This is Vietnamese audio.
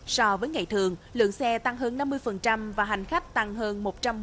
so với ngày thường lượng xe tăng hơn năm mươi và hành khách tăng hơn một trăm một mươi